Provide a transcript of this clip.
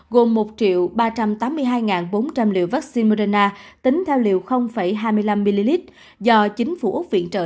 gồm một ba trăm tám mươi hai bốn trăm linh liều vaccine moderna tính theo liều hai mươi năm ml do chính phủ úc viện trợ